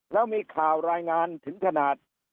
แล้วมีข่าวรายงานถึงขนาด